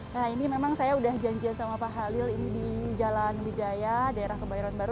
nah ini memang saya udah janjian sama pak halil ini di jalan wijaya daerah kebayoran baru